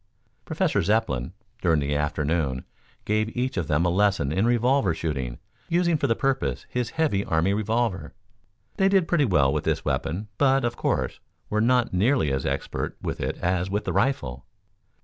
Professor Zepplin, during the afternoon, gave each of them a lesson in revolver shooting, using for the purpose, his heavy army revolver. They did pretty well with this weapon, but, of course, were not nearly as expert with it as with the rifle.